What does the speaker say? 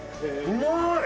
うまい！